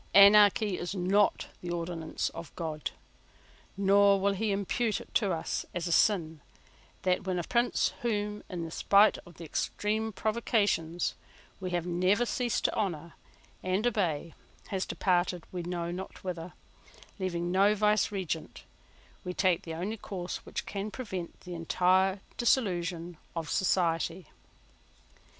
Anarchy is not the ordinance of God; nor will he impute it to us as a sin that, when a prince, whom, in spite of extreme provocations, we have never ceased to honour and obey, has departed we know not whither, leaving no vicegerent, we take the only course which can prevent the entire dissolution of society.